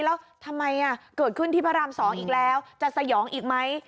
แล้วทำไมเกิดขึ้นที่พระราม๒อีกแล้วจะสยองอีกไหม